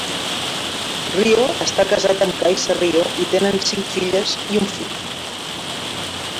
Rio està casat amb Kaisa Rio i tenen cinc filles i un fill.